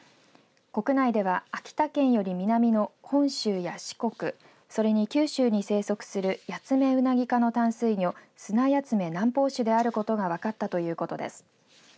国内では秋田県より南の本州や四国それに九州に生息するヤツメウナギ科の淡水魚スナヤツメ南方種であることが分かったということです。